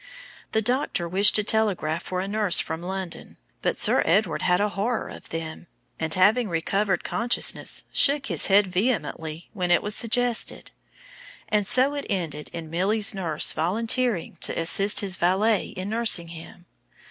The doctor wished to telegraph for a nurse from London, but Sir Edward had a horror of them, and having recovered consciousness shook his head vehemently when it was suggested; and so it ended in Milly's nurse volunteering to assist his valet in nursing him.